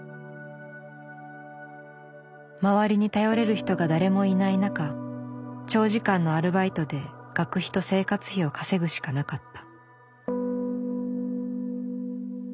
周りに頼れる人が誰もいない中長時間のアルバイトで学費と生活費を稼ぐしかなかった。